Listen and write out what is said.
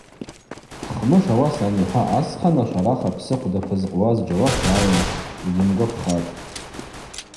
Хмыш ауаса анихӏва асхъан ашварах апсыхъвда пызкъуаз джьауап гьгӏайымттӏ, йгьйымгвапхатӏ.